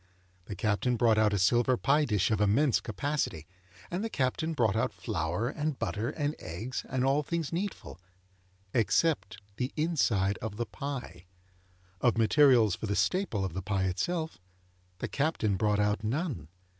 The Captain brought out a silver pie dish of immense capacity, and the Captain brought out flour and butter and eggs and all things needful, except the inside of the pie; of materials for the staple of the pie itself, the Captain brought out none.